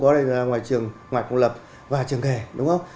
là trường ngoại công lập và trường kề đúng không